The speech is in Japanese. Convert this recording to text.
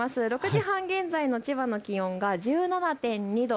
６時半現在の千葉の気温が１７．２度。